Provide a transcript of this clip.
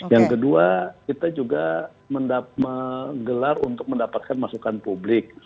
yang kedua kita juga menggelar untuk mendapatkan masukan publik